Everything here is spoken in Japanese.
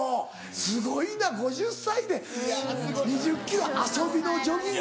すごいな５０歳で２０ｋｍ遊びのジョギング。